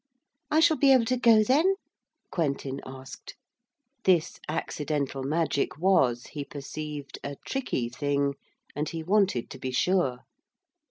'I shall be able to go, then?' Quentin asked. This accidental magic was, he perceived, a tricky thing, and he wanted to be sure.